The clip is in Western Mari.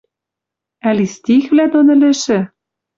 Ӓли стихвлӓ дон ӹлӹшӹ?